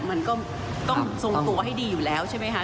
มันก็ต้องทรงตัวให้ดีอยู่แล้วใช่ไหมคะ